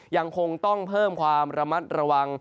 ยังคงต้องเพิ่มความระมัดระวัง